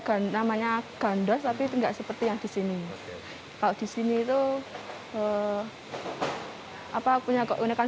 ganteng namanya gandos tapi tidak seperti yang disini kalau disini itu apa punya keunikan